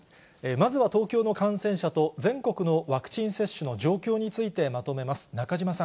まずは東京の感染者と、全国のワクチン接種の状況について、まとめます。